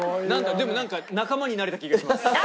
でもなんか仲間になれた気がします。